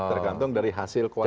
tergantung dari hasil koalisi